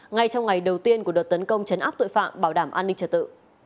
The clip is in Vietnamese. ngay trong ngày đầu tiên của đợt tấn công chấn áp tội phạm bảo đảm an ninh trật tự